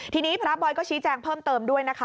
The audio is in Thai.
ทีนี้พระบอยก็ชี้แจงเพิ่มเติมด้วยนะคะ